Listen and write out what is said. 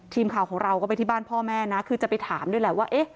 ทีมข่าวของเราก็ไปที่บ้านพ่อแม่นะคือจะไปถามด้วยแหละว่าเอ๊ะ